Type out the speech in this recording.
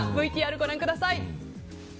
ＶＴＲをご覧ください。